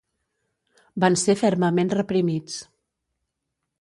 Van ser fermament reprimits.